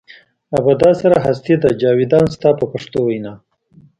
ابدا سره هستي ده جاویدان ستا په پښتو وینا.